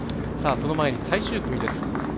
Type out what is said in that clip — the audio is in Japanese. その前に最終組です。